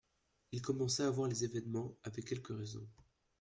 Il commença à voir les événements avec quelque raison.